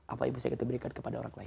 apa yang bisa kita berikan kepada orang lain